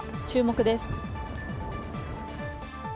注目です。